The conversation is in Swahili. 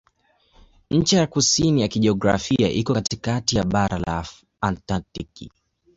Ncha ya kusini ya kijiografia iko katikati ya bara la Antaktiki.